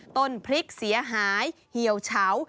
ต้นพริกเสียหายเหี่ยวเฉา